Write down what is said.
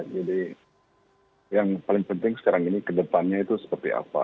jadi yang paling penting sekarang ini ke depannya itu seperti apa